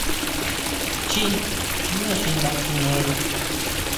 Chjí jmé xi nda chineri.